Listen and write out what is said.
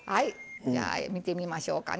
じゃあ見てみましょうかね。